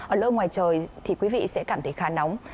ở lâu ngoài trời thì quý vị sẽ cảm thấy khá nóng